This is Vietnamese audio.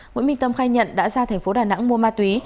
nguyễn minh tâm khai nhận đã ra thành phố đà nẵng mua ma túy